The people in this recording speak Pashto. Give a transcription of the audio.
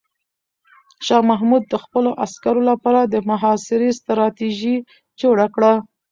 شاه محمود د خپلو عسکرو لپاره د محاصرې ستراتیژي جوړه کړه.